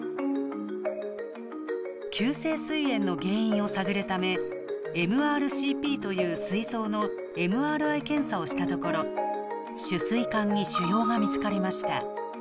急性すい炎の原因を探るためＭＲＣＰというすい臓のＭＲＩ検査をしたところ主すい管に腫瘍が見つかりました。